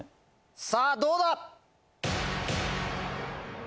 さぁどうだ！